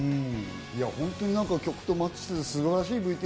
ホントに曲とマッチしてて素晴らしいＶＴＲでした。